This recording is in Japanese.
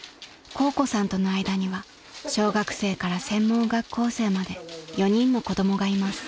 香子さんとの間には小学生から専門学校生まで４人の子供がいます］